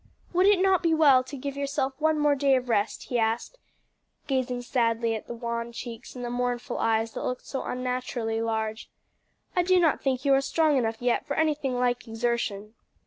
"Would it not be well to give yourself one more day of rest?" he asked, gazing sadly at the wan cheeks and the mournful eyes that looked so unnaturally large. "I do not think you are strong enough yet for anything like exertion."